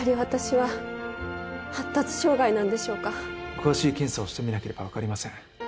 詳しい検査をしてみなければわかりません。